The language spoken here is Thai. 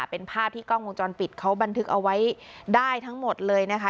เป็นภาพที่กล้องวงจรปิดเขาบันทึกเอาไว้ได้ทั้งหมดเลยนะคะ